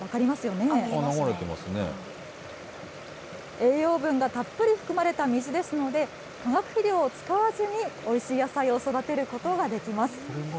栄養分がたっぷり含まれた水ですので、化学肥料を使わずに、おいしい野菜を育てることができます。